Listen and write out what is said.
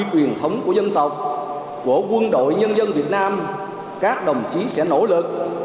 truyền thống của dân tộc của quân đội nhân dân việt nam các đồng chí sẽ nỗ lực